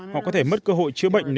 họ có thể mất cơ hội chữa bệnh